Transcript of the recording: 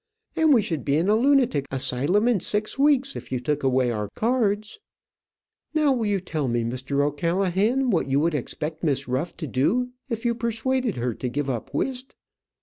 And we should be in a lunatic asylum in six weeks if you took away our cards. Now, will you tell me, Mr. O'Callaghan, what would you expect Miss Ruff to do if you persuaded her to give up whist?"